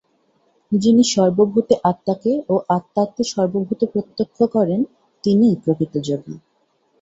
যিনি সর্বভূতে আত্মাকে ও আত্মাতে সর্বভূত প্রত্যক্ষ করেন, তিনিই প্রকৃত যোগী।